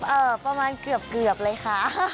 เอ่อประมาณเกือบเลยค่ะ